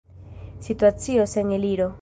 Situacio sen eliro.